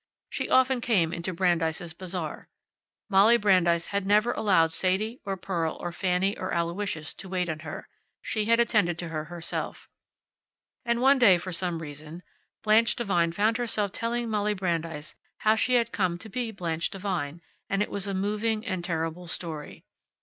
She often came into Brandeis' Bazaar. Molly Brandeis had never allowed Sadie, or Pearl, or Fanny or Aloysius to wait on her. She had attended to her herself. And one day, for some reason, Blanche Devine found herself telling Molly Brandeis how she had come to be Blanche Devine, and it was a moving and terrible story.